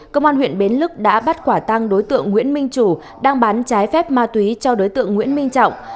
công an huyện bến lức đã bắt quả tăng đối tượng nguyễn minh chủ đang bán trái phép ma túy cho đối tượng nguyễn minh trọng